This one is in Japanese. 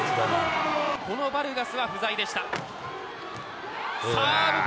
このバルガスは不在でした。